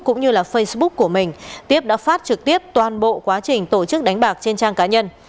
cũng như facebook của mình tiếp đã phát trực tiếp toàn bộ quá trình tổ chức đánh bạc trên trang cá nhân